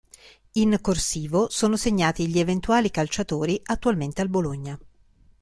In "corsivo" sono segnati gli eventuali calciatori attualmente al Bologna.